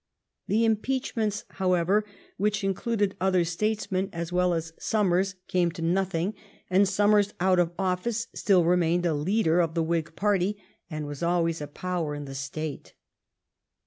The impeachments, however, which included other statesmen as well as Somers, came to nothing, and Somers out of office still remained a leader of the Whig party, and was always a power in the state.